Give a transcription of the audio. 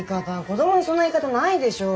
子供にそんな言い方ないでしょ。